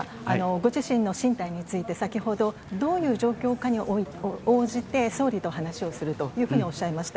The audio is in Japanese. ご自身の進退について、先ほど、どういう状況下に応じて総理と話をするというふうにおっしゃいました。